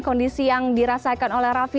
kondisi yang dirasakan oleh raffi